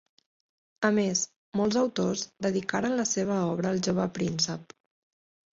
A més, molts autors dedicaren la seva obra al jove príncep.